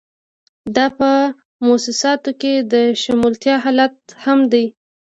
دا په موسساتو کې د شمولیت حالت هم دی.